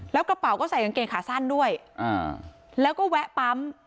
แล้วกระเป๋าก็ใส่กางเกงขาสั้นด้วยแล้วก็แวะปั๊ม